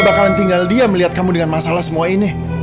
aku gak bakalan tinggal diam melihat kamu dengan masalah semua ini